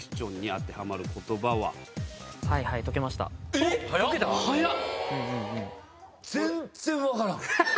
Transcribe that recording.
えっ⁉全然分からん。